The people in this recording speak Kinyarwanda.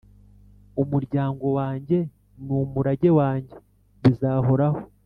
umuryango wanjye n’umurage wanjye bizahoraho